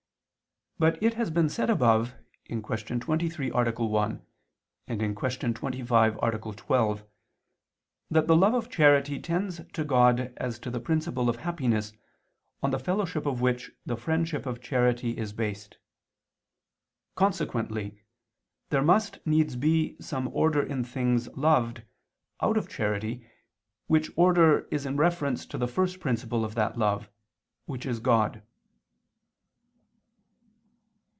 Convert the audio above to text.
But it has been said above (Q. 23, A. 1; Q. 25, A. 12) that the love of charity tends to God as to the principle of happiness, on the fellowship of which the friendship of charity is based. Consequently there must needs be some order in things loved out of charity, which order is in reference to the first principle of that love, which is God.